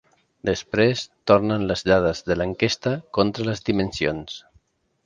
Després tornen les dades de l'enquesta contra les dimensions.